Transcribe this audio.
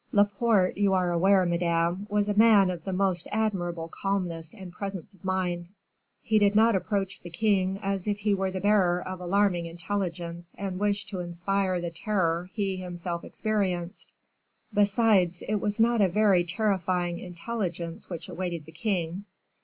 Laporte, you are aware, madame, was a man of the most admirable calmness and presence of mind. He did not approach the king as if he were the bearer of alarming intelligence and wished to inspire the terror he himself experienced; besides, it was not a very terrifying intelligence which awaited the king.